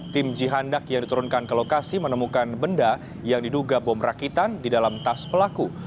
tim jihandak yang diturunkan ke lokasi menemukan benda yang diduga bom rakitan di dalam tas pelaku